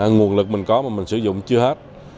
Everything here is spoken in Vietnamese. nguồn lực mình có mà mình sử dụng chưa hết